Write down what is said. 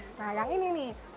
nah yang ini nih